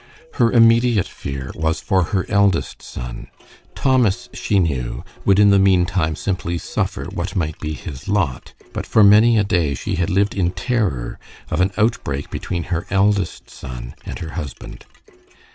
Her immediate fear was for her eldest son. Thomas, she knew, would in the mean time simply suffer what might be his lot, but for many a day she had lived in terror of an outbreak between her eldest son and her husband.